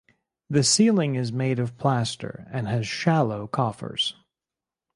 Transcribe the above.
The ceiling is made of plaster and has shallow coffers.